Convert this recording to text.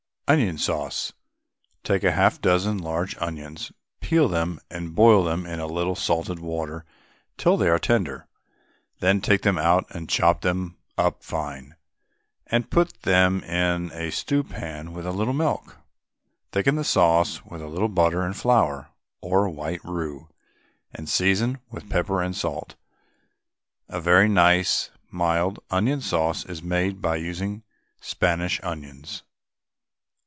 ONION SAUCE. Take half a dozen large onions, peel them and boil them in a little salted water till they are tender. Then take them out and chop them up fine, and put them in a stew pan with a little milk. Thicken the sauce with a little butter and flour, or white roux, and season with pepper and salt. A very nice mild onion sauce is made by using Spanish onions.